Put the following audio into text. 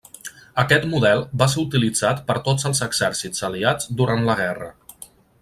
Aquest model va ser utilitzat per tots els exèrcits aliats durant la guerra.